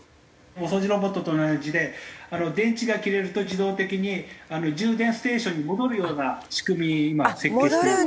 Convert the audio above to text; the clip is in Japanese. お掃除ロボットと同じで電池が切れると自動的に充電ステーションに戻るような仕組みに今設計してます。